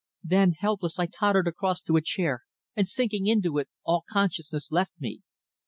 Then, helpless, I tottered across to a chair, and sinking into it all consciousness left me."